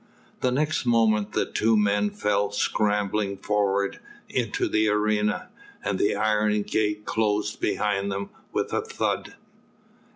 The next moment the two men fell scrambling forward into the arena, and the iron gate closed behind them with a thud.